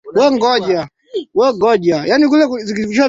yanavyoendelea katika hii dunia lakini si yeye tu